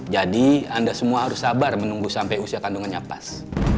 jadi anda semua harus sabar menunggu sampai usia kandungannya pas